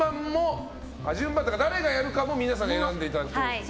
誰がやるかも皆さんに選んでいただくと。